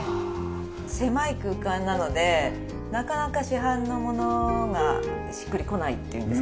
狭い空間なのでなかなか市販のものがしっくりこないっていうんですかね